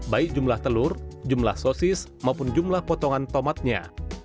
baik jumlah telur jumlah sosis maupun jumlah potongan tomatnya